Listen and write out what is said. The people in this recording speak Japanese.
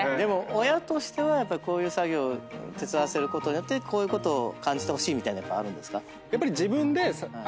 親としてはこういう作業手伝わせることによってこういうことを感じてほしいみたいなやっぱあるんですか？